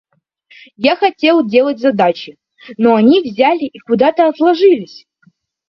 Я хотел делать задачи, но они взяли и куда-то отложились.